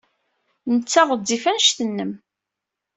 Nettat ɣezzifet anect-nnem.